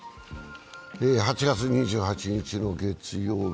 ８月２８日の月曜日。